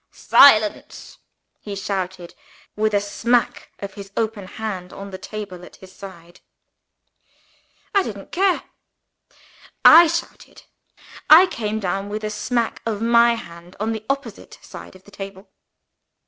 "Silence!" he shouted, with a smack of his open hand on the table at his side. I didn't care. I shouted. I came down, with a smack of my hand, on the opposite side of the table.